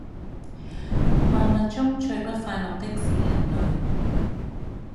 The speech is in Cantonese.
萬物中最不快樂的是人類